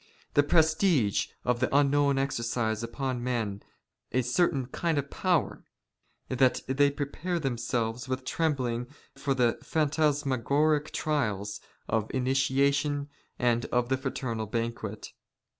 The prestige '' of the unknown exercises upon men a certain kind of power, " that they prepare themselves with trembling for the phantas " magoric trials of the initiation and of the fraternal banquet.